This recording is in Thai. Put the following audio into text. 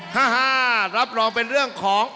ถ้ารับรองเป็นเรื่องของ